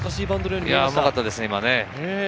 うまかったですね。